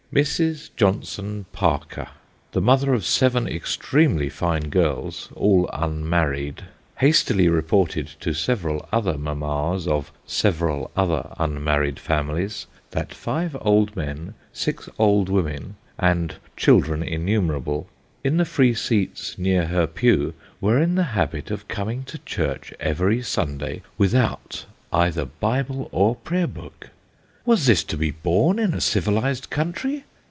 Mrs. Johnson Parker, the mother of seven extremely fine girls all un married hastily reported to several other mammas of several other unmarried families, that five old men, six old women, and children innumerable, in the free seats near her pew, were in the habit of coming to church every Sunday, without either bible or prayer book. Was this to be borne in a civilised country